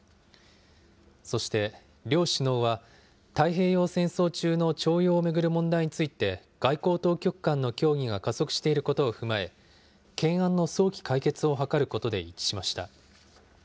そして両首脳は、太平洋戦争中の徴用を巡る問題について、外交当局間の協議が加速していることを踏まえ、懸案の早期解決を図ることで一致しました。